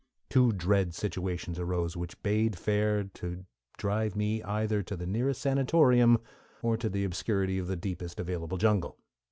Two dread situations arose which bade fair to drive me either into the nearest sanatorium, or to the obscurity of the deepest available jungle.